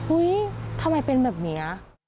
อุ๊ยทำไมเป็นแบบนี้